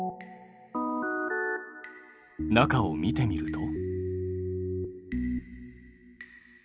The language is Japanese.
中を見てみると。